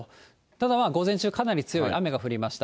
ただ、午前中かなり強い雨が降りました。